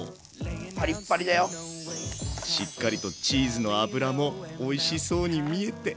しっかりとチーズの脂もおいしそうに見えて。